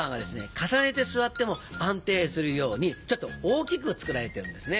重ねて座っても安定するようにちょっと大きく作られてるんですね。